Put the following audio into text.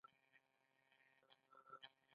خو باختر همیشه یاغي و